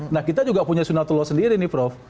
nah kita juga punya sunatullah sendiri nih prof